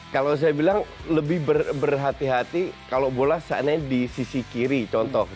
kalau saya bilang lebih berhati hati kalau bola seandainya di sisi kiri contoh